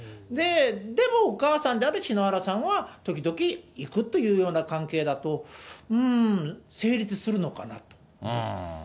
でもお母さんである篠原さんは、時々行くというような関係だと、成立するのかなと思います。